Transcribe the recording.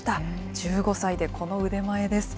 １５歳でこの腕前です。